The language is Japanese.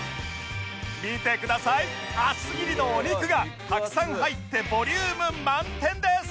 見てください厚切りのお肉がたくさん入ってボリューム満点です！